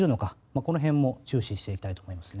この辺も注視していきたいと思いますね。